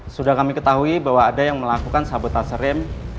sudah kami ketahui bahwa ada yang melakukan sabotase rem